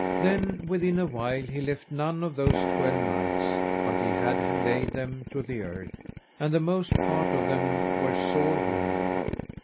Then within a while he left none of those twelve knights, but he had laid them to the earth, and the most part of them were sore wounded.